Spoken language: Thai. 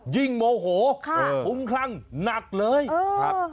ยิ่งโมโหขุมครั่งหนักเลยครับ